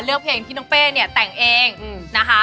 เลือกเพลงที่น้องเปต่างเองนะคะ